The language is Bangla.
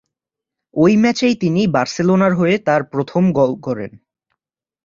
ওই ম্যাচেই তিনি বার্সেলোনার হয়ে তার প্রথম গোল করেন।